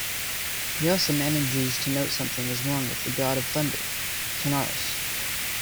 He also manages to note something is wrong with the God of Thunder, Tanarus.